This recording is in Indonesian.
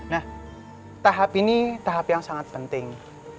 nah tahap ini tahap yang sangat penting